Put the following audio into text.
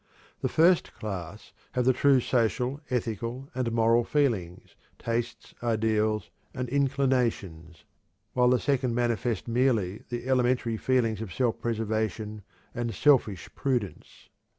The first class have the true social, ethical, and moral feelings, tastes, ideals, and inclinations; while the second manifest merely the elementary feelings of self preservation and selfish prudence.